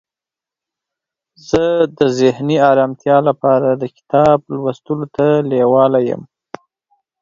زه د ذهني آرامتیا لپاره د کتاب لوستلو ته لیواله یم.